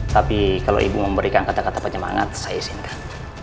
tapi kalau ibu memberikan kata kata penyemangat saya izinkan